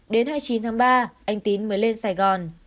đến hai mươi chín tháng ba anh tín mới lên sài gòn